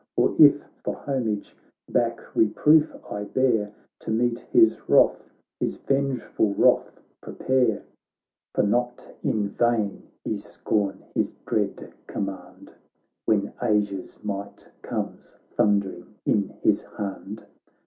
For if, for homage, back reproof I bear. To meet his wrath, his vengeful wrathj prepare ; 8 THE BATTLE OF MARATHON For not in vain ye scorn his dread com mand When Asia's might comes thundering in his hand.'